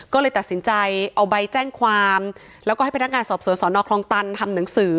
ก็เลยตัดสินใจเอาใบแจ้งความแล้วก็ให้พนักงานสอบสวนสอนอคลองตันทำหนังสือ